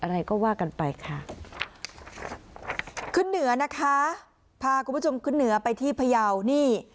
อะไรก็ว่ากันไปค่ะขึ้นเหนือนะคะพาคุณผู้ชมขึ้นเหนือไปที่พยาวนี่